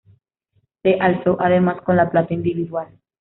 Se alzó además con la plata individual.